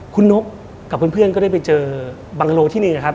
คุณนกกับเพื่อนก็ได้ไปเจอบังโลที่หนึ่งนะครับ